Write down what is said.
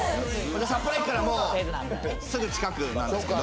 札幌駅からもうすぐ近くなんですけど。